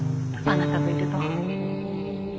あなたといると。